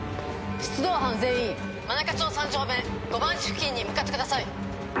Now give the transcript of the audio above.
出動班全員真中町３丁目５番地付近に向かってください。